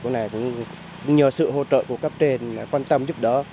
cái này cũng nhờ sự hỗ trợ của các tên quan tâm giúp đỡ